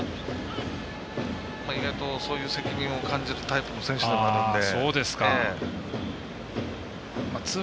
意外と、そういう責任を感じるタイプの選手でもあるので。